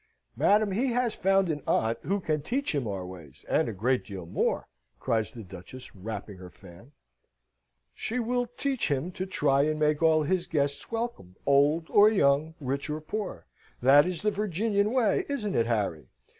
"Madam, he has found an aunt who can teach him our ways, and a great deal more!" cries the Duchess, rapping her fan. "She will teach him to try and make all his guests welcome, old or young, rich or poor. That is the Virginian way, isn't it, Harry?